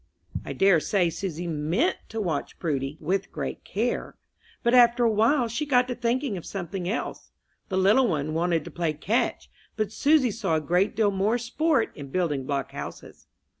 I dare say Susy meant to watch Prudy with great care, but after a while she got to thinking of something else. The little one wanted to play "catch," but Susy saw a great deal more sport in building block houses.